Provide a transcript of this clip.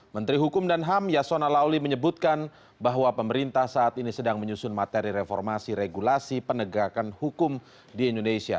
menteri hukum dan ham yasona lauli menyebutkan bahwa pemerintah saat ini sedang menyusun materi reformasi regulasi penegakan hukum di indonesia